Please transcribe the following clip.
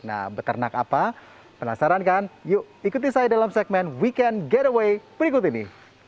nah beternak apa penasaran kan yuk ikuti saya dalam segmen weekend get away berikut ini